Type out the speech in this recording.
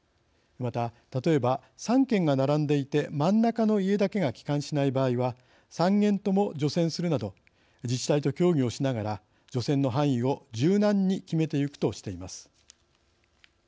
また、例えば３軒が並んでいて真ん中の家だけが帰還しない場合は３軒とも除染するなど自治体と協議をしながら除染の範囲を柔軟に決めていくとしています。